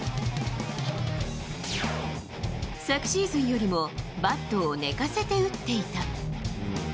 昨シーズンよりもバットを寝かせて打っていた。